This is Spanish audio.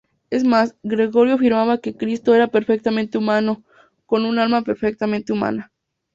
Es más, Gregorio afirmaba que Cristo era perfectamente humano, con un alma perfectamente humana.